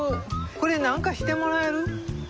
これ何かしてもらえる？